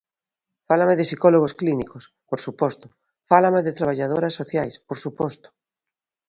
Fálame de psicólogos clínicos, por suposto; fálame de traballadoras sociais, por suposto.